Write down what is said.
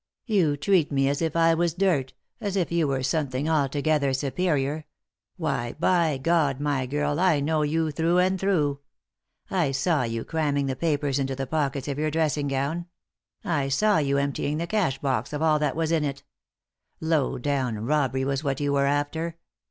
You treat me as if I was dirt, as if you were something altogether superior — why, by God, my girl, I know you through and through. I saw you cramming the papers into the pockets of your dress ing gown ; I saw you emptying the cash box of all that was in it — low down robbery was what you were after.